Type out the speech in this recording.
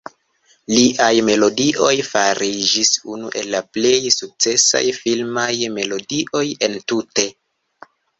Liaj melodioj fariĝis unu el la plej sukcesaj filmaj melodioj entute.